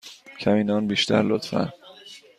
کمی نان بیشتر، لطفا.